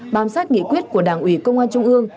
bám sát nghị quyết của đảng ủy công an trung ương